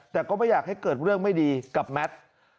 แต่ก็ไม่อยากให้เกิดเรื่องไม่ดีกับแมท